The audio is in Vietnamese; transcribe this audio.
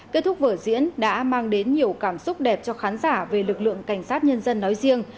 kết thúc vở diễn đã mang đến nhiều cảm xúc đẹp cho khán giả về lực lượng cảnh sát nhân dân nói riêng